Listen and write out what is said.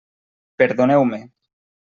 Perdoneu-me.